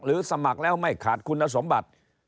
สมัครแล้วไม่ขาดคุณสมบัติ